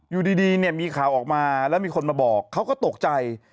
อยู่ดีเนี่ยมีข่าวออกมาแล้วมีคนมาบอกเขาก็ตกใจ